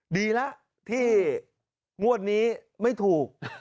ดีแล้วที่งวดนี้ไม่ถูก